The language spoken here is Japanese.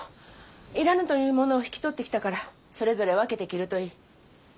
要らぬというものを引き取ってきたからそれぞれ分けて着るといい。